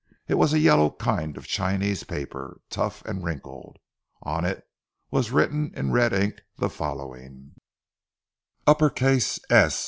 It was a yellow kind of Chinese paper, tough, and wrinkled. On it was written in red ink the following, "S.